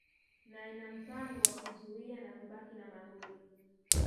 na ina mpango wa kuzuia na kubaki na magoli